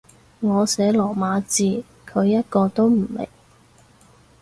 我寫羅馬字，佢一個都唔明